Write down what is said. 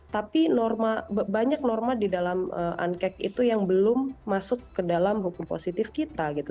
tapi banyak norma di dalam ancak itu yang belum masuk ke dalam hukum positif kita gitu